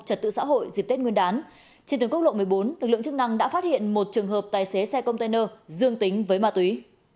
trật tự xã hội dịp tết nguyên đán trên tuyến quốc lộ một mươi bốn lực lượng chức năng đã phát hiện một trường hợp tài xế xe container dương tính với ma túy